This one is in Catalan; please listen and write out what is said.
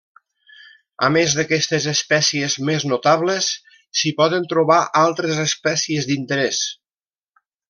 A més d'aquestes espècies més notables, s'hi poden trobar altres espècies d'interés.